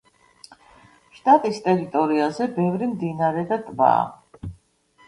შტატის ტერიტორიაზე ბევრი მდინარე და ტბაა.